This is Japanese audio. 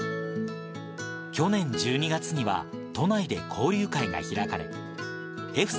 去年１２月には、都内で交流会が開かれ、笑